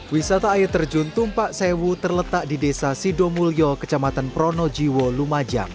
wisata air terjun tumpak sewu terletak di desa sidomulyo kecamatan pronojiwo lumajang